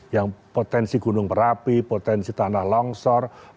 yang potensi gunung berapi potensi tanah longsor potensi tsunami